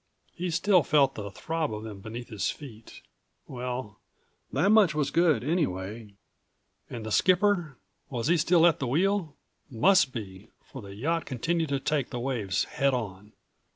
He still felt the throb of them beneath his feet. Well, that much was good anyway. And the skipper? Was he still at the wheel? Must be, for the yacht continued to take the waves head on.